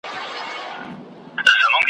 ورځي تیري په خندا شپې پر پالنګ وي !.